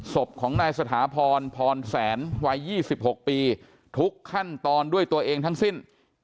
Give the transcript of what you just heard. ศพของนายสถาพรพรแสนวัย๒๖ปีทุกขั้นตอนด้วยตัวเองทั้งสิ้น